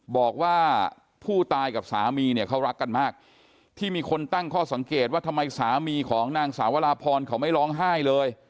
บอกว่าผู้ตายกับสามีเนี่ยเขารักกันมากที่มีคนตั้งข้อสังเกตว่าทำไมสามีของนางสาวราพรเขาไม่ร้องไห้เลย